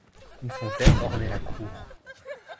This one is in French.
Une fontaine ornait la cour.